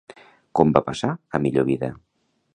Com va passar a millor vida?